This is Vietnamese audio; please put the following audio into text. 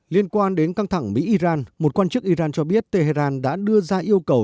liên quan đến căng thẳng mỹ iran một quan chức iran cho biết tehran đã đưa ra yêu cầu